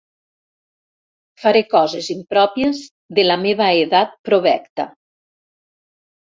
Faré coses impròpies de la meva edat provecta.